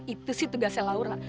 itu sih tugasnya laura